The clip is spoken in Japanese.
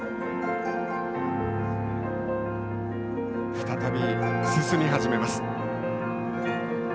再び進み始めます。